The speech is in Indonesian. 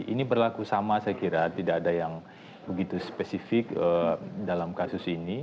ini berlaku sama saya kira tidak ada yang begitu spesifik dalam kasus ini